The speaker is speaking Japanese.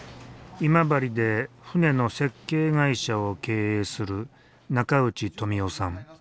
今治で船の設計会社を経営する中内富男さん。